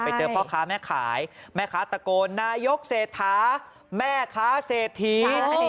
เจอพ่อค้าแม่ขายแม่ค้าตะโกนนายกเศรษฐาแม่ค้าเศรษฐี